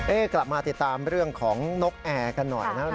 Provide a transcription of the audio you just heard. กลับมาติดตามเรื่องของนกแอร์กันหน่อยนะครับ